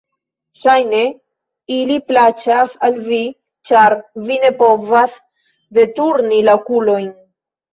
Ŝajne, ili plaĉas al vi, ĉar vi ne povas deturni la okulojn!